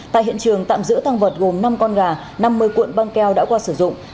tại hiện trường tạm giữ tăng vật gồm năm con gà năm mươi cuộn băng keo đã qua sử dụng